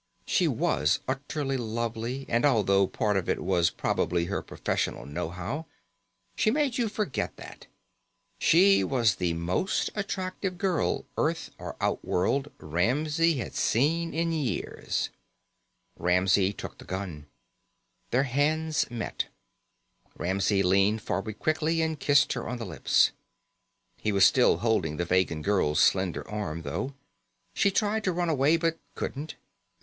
She was utterly lovely and although part of it was probably her professional know how, she made you forget that. She was the most attractive girl, Earth or outworld, Ramsey had seen in years. Ramsey took the gun. Their hands met. Ramsey leaned forward quickly and kissed her on the lips. He was still holding the Vegan girl's slender arm, though. She tried to run away but couldn't.